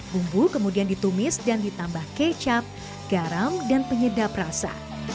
bumbu kemudian ditumis dan ditambah kecap garam dan penyedap rasa